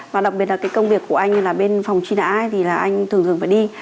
và đặc biệt là cái công việc của anh như là bên phòng truy nã thì là anh thường thường phải đi